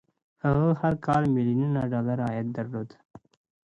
هغه هر کال ميليونونه ډالر عايد درلود.